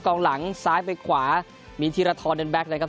กองหลังซ้ายไปขวามีธีรทรเดนแก๊กนะครับ